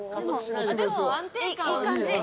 でも安定感。